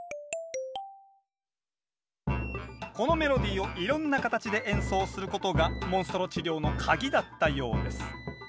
このメロディーをいろんな形で演奏することがモンストロ治療のカギだったようです。